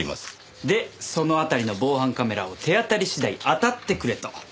でその辺りの防犯カメラを手当たり次第当たってくれと。